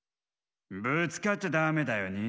ぶつかっちゃダメだよね。